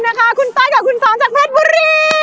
กลับมากับคุณสองจากเพชรบุรี